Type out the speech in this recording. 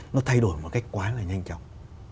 nó thay đổi một cách quá là nhanh chóng